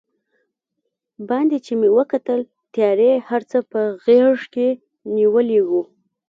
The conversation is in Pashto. باندې چې مې وکتل، تیارې هر څه په غېږ کې نیولي و.